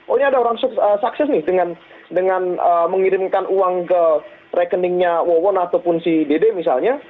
oh ini ada orang sukses nih dengan mengirimkan uang ke rekeningnya wawon ataupun si dede misalnya